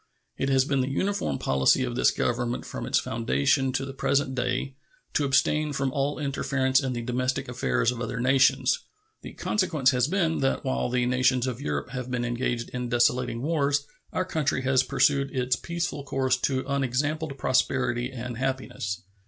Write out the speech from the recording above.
It has been the uniform policy of this Government, from its foundation to the present day, to abstain from all interference in the domestic affairs of other nations. The consequence has been that while the nations of Europe have been engaged in desolating wars our country has pursued its peaceful course to unexampled prosperity and happiness.